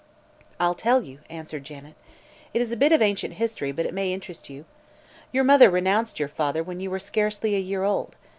"I'll tell you," answered. Janet. "It is a bit of ancient history, but it may interest you. Your mother renounced your father when you were scarcely a year old.